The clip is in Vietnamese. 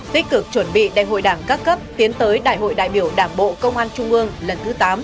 tích cực chuẩn bị đại hội đảng các cấp tiến tới đại hội đại biểu đảng bộ công an trung ương lần thứ tám